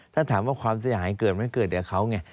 ถ้าถามว่าความเสียหายเกิดไหมเกิดกับเขาไง